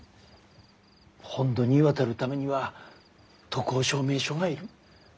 本土に渡るためには渡航証明書が要る。